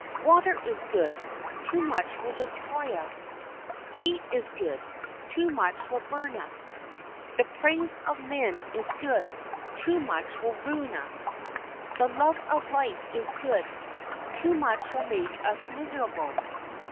Water is good; too much will destroy us. Heat is good; too much will burn us. The praise of men is good; too much will ruin us. The love of life is good; too much will make us miserable.